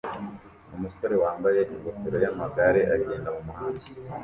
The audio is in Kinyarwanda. Umusore wambaye ingofero yamagare agenda mumuhanda